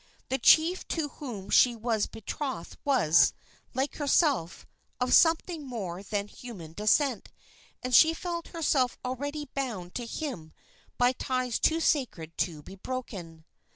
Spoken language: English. The chief to whom she was betrothed was, like herself, of something more than human descent, and she felt herself already bound to him by ties too sacred to be broken.